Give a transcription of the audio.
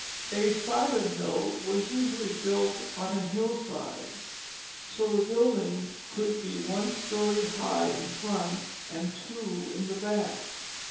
A cider mill was usually built on a hillside so the building could be one story high in front and two in the back.